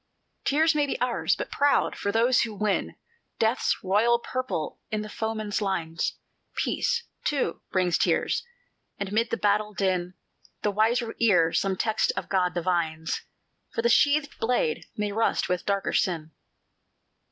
"Tears may be ours, but proud, for those who win Death's royal purple in the foeman's lines; Peace, too, brings tears; and mid the battle din, The wiser ear some text of God divines, For the sheathed blade may rust with darker sin.